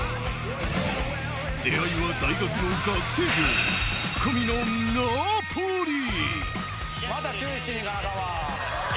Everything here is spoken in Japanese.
出会いは大学の学生寮ツッコミのナポリ。